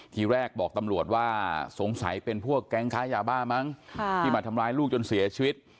ทีแรกบอกตำรวจว่าสงสัยเป็นพวกแก๊งค้ายาบ้ามั้งที่มาทำร้ายลูกจนเสียชีวิต